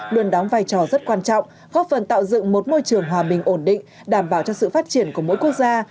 luôn đóng vai trò rất quan trọng góp phần tạo dựng một môi trường hòa bình ổn định đảm bảo cho sự phát triển của mỗi quốc gia